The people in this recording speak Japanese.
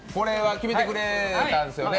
決めてくれたんですよね。